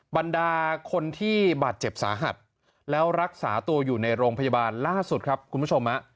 บรรดาคนที่บาดเจ็บสาหัสแล้วรักษาตัวอยู่ในโรงพยาบาลล่าสุดครับคุณผู้ชม